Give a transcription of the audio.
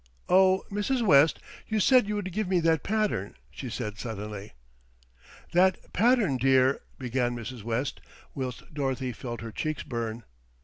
Oh! Mrs. West, you said you would give me that pattern," she said suddenly. "That pattern, dear," began Mrs. West, whilst Dorothy felt her cheeks burn.